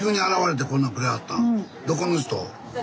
⁉どこの人？